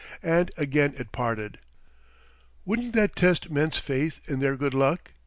And again it parted. Wouldn't that test men's faith in their good luck?